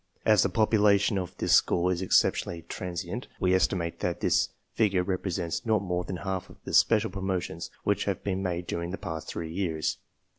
As the population of this school is exceptionally transient, we estimate that this figure represents not more than half of the special promotions which have been made during the past three years.